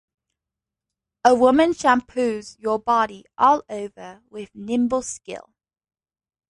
A woman shampoos your body all over with nimble skill.